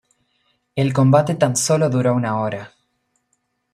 El combate tan solo duró una hora.